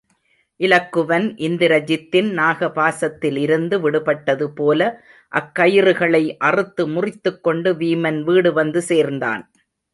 இலக்குவன் இந்திரஜித்தின் நாகபாசத்தில் இருந்து விடுபட்டது போல அக்கயிறுகளை அறுத்து முறித்துக் கொண்டு வீமன் வீடு வந்து சேர்ந்தான்.